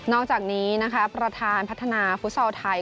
อกจากนี้นะคะประธานพัฒนาฟุตซอลไทย